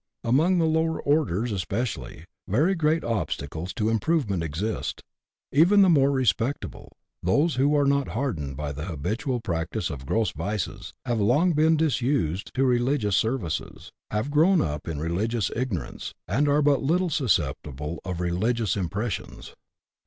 Among the lower orders especially, very great obstacles to improvement exist. Even the more respectable, those who are not hardened by the habitual practice of gross vices, have long been disused to religious services, have grown up in religious ignorance, and are but little susceptible of religious impressions.